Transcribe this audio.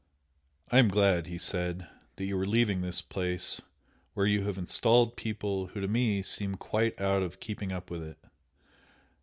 "I am glad" he said "that you are leaving this place where you have installed people who to me seem quite out of keeping with it.